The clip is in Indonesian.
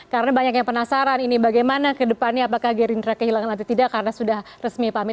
karena banyak yang penasaran ini bagaimana ke depannya apakah gerindra kehilangan atau tidak karena sudah resmi pamit